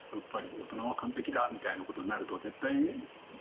「大人は完璧だ」みたいなことになると絶対ばれるんで。